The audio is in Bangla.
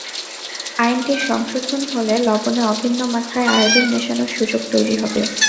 আইনটির সংশোধন হলে লবণে অভিন্ন মাত্রায় আয়োডিন মেশানোর সুযোগ তৈরি হবে।